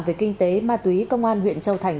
về kinh tế ma túy công an huyện châu thành